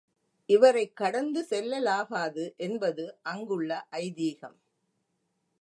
இவரைக் கடந்து செல்லலாகாது என்பது அங்குள்ள ஐதீகம்.